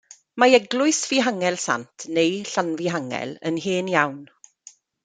Mae Eglwys Fihangel Sant, neu Llanfihangel, yn hen iawn.